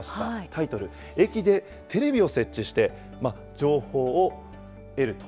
タイトル、駅でテレビを設置して情報を得ると。